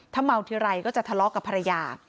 ถ้าเมาทีไรก็จะทะเลาะกับภรรยา